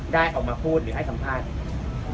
ได้ออกมาพูดหรือให้สัมภาษณ์